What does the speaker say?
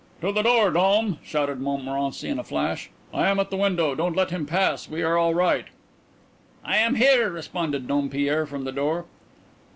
"To the door, Dom!" shouted Montmorency in a flash. "I am at the window. Don't let him pass and we are all right." "I am here," responded Dompierre from the door.